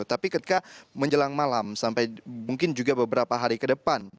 tapi ketika menjelang malam sampai mungkin juga beberapa hari ke depan